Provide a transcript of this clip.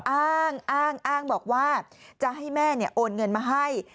อ้างอ้างบอกว่าจะให้แม่โอนเงินมาให้